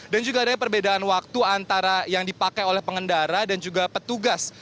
dan juga ada perbedaan waktu antara yang dipakai oleh pengendara dan juga petugas